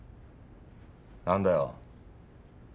何だよ？